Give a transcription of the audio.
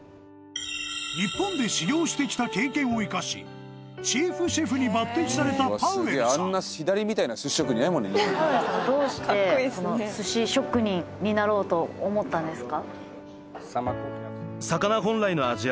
日本で修業してきた経験をいかしチーフシェフに抜擢されたパウエルさんなろうと思ったんですか？